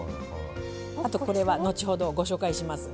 あとこれは後ほどご紹介します。え？